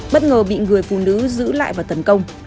bất ngờ bị người phụ nữ giữ lại và tấn công